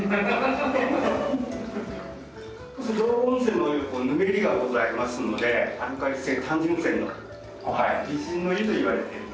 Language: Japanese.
道後温泉のお湯はヌメリがございますのでアルカリ性単純泉の美人の湯といわれて。